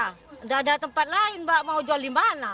tidak ada tempat lain mbak mau jual di mana